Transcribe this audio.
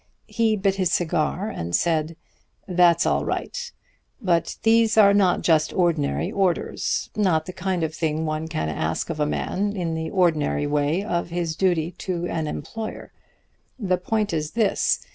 "He bit his cigar, and said: 'That's all right: but these are not just ordinary orders; not the kind of thing one can ask of a man in the ordinary way of his duty to an employer. The point is this.